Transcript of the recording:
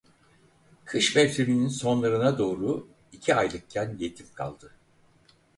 Kış mevsiminin sonlarına doğru iki aylıkken yetim kaldı.